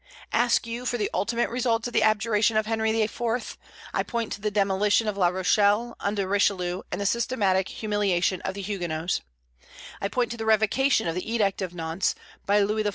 Ask you for the ultimate results of the abjuration of Henry IV., I point to the demolition of La Rochelle, under Richelieu, and the systematic humiliation of the Huguenots; I point to the revocation of the Edict of Nantes, by Louis XIV.